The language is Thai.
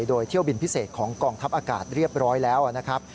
โดยเที่ยวบินพิเศษของกองทัพอากาศเรียบร้อยแล้วนะครับ